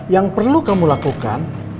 yang perlu kamu lakukan